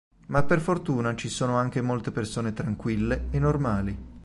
Ma per fortuna ci sono anche molte persone tranquille e normali".